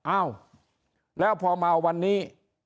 อ้าวแล้วพอมาวันนี้